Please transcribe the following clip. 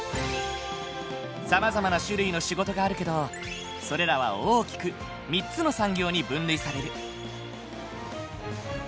さまざまな種類の仕事があるけどそれらは大きく３つの産業に分類される。